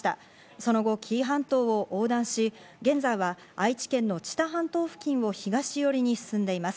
その後、紀伊半島を横断し、現在は、愛知県の知多半島付近を東寄りに進んでいます。